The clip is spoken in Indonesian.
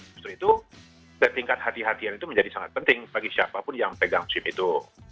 justru itu ketingkat hati hatian itu menjadi sangat penting bagi siapapun yang pegang sim itu